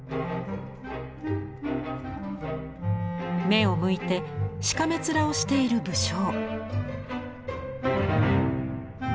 目をむいてしかめ面をしている武将。